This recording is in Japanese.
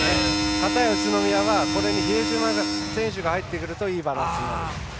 かたや宇都宮はこれに比江島選手が入ってくるといいバランスになる。